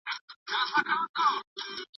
هغه پوهنتون چي اصول یې بېل دي ښه کار کوي.